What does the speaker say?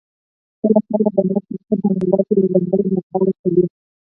کله کله د مزد سیستم پانګوال ته یوه ځانګړې موقع ورکوي